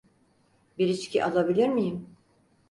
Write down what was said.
Bir içki alabilir miyim?